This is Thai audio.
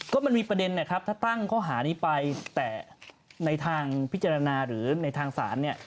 ก็มันมีประเด็นนะครับถ้าตั้งข้อหานี้ไปแต่ในทางพิจารณาหรือในทางศาลเนี่ย